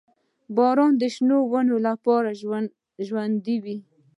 • باران د شنو ونو لپاره ژوند دی.